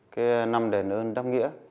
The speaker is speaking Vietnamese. cái năm đền ơn đáp nghĩa